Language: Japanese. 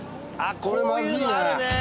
これまずいね。